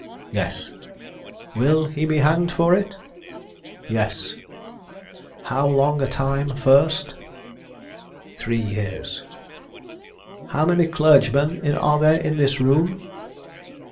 "Yes." "Will he be hanged for it?" "Yes." "How long a time first?" "Three years." "How many clergymen are there in this room?"